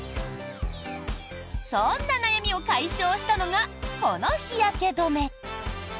そんな悩みを解消したのがこの日焼け止め。